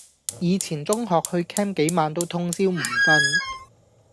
以前中學去 camp 幾晚都通宵唔瞓